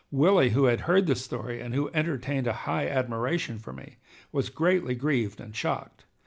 Willie, who had heard the story and who entertained a high admiration for me, was greatly grieved and shocked.